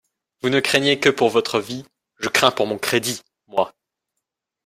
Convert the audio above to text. Vous ne craignez que pour votre vie, je crains pour mon crédit, moi.